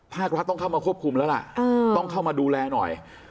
ภาครัฐต้องเข้ามาควบคุมแล้วล่ะต้องเข้ามาดูแลหน่อย